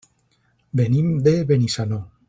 Venim de Benissanó.